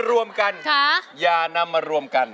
ดูสิค่ะดูสิอย่านำมารวมกัน